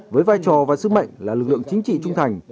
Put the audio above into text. với vai trò và sức mạnh là lực lượng chính trị trung thành